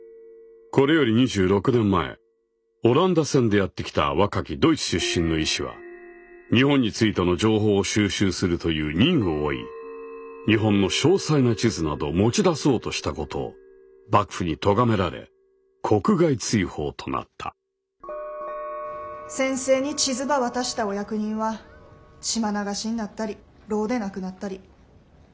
これより２６年前オランダ船でやって来た若きドイツ出身の医師は日本についての情報を収集するという任を負い日本の詳細な地図などを持ち出そうとしたことを幕府にとがめられ国外追放となった先生に地図ば渡したお役人は島流しになったり牢で亡くなったり。